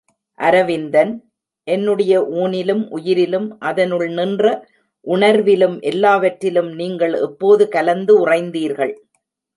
அரவிந்தன், என்னுடைய ஊனிலும் உயிரிலும் அதனுள் நின்ற உணர்விலும் எல்லாவற்றிலும் நீங்கள் எப்போது கலந்து உறைந்தீர்கள்?